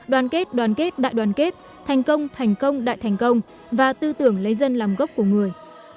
đoàn kết đoàn kết đại đoàn kết thành công thành công đại thành công và tư tưởng lấy dân làm gốc của người